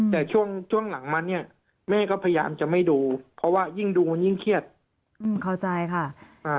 แต่ช่วงช่วงหลังมันเนี่ยแม่ก็พยายามจะไม่ดูเพราะว่ายิ่งดูมันยิ่งเครียดอืมเข้าใจค่ะอ่า